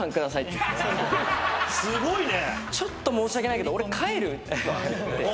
すごいね！